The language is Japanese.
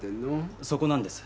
そこなんです。